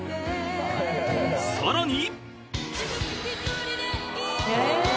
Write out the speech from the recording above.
［さらに］